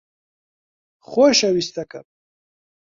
خۆشەویستەکەم